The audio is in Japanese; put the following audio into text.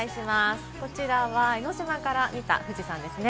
こちらは江の島から見た富士山ですね。